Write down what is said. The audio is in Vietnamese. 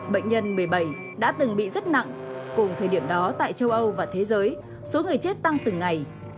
bệnh nhân một mươi bảy đã từng bị rất nặng cùng thời điểm đó tại châu âu và thế giới số người chết tăng từng ngày